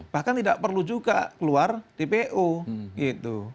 bahkan tidak perlu juga keluar di pu gitu